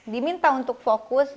diminta untuk fokus